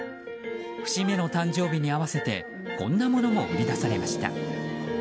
節目の誕生日に合わせてこんなものも売り出されました。